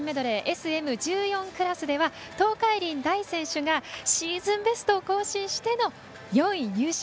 ＳＭ１４クラスでは東海林大選手がシーズンベストを更新しての４位入賞。